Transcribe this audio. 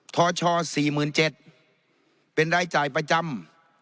ท้อช่อสี่หมื่นเจ็ดเป็นรายจ่ายประจำ